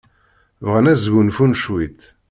Bɣan ad sgunfun cwiṭ.